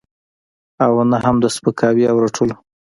او نه هم د سپکاوي او رټلو.